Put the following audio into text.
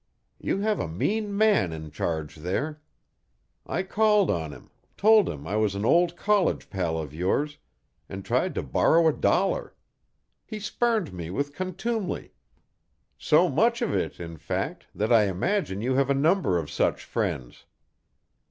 You have a mean man in charge there. I called on him, told him I was an old college pal of yours, and tried to borrow a dollar. He spurned me with contumely so much of it, in fact, that I imagine you have a number of such friends.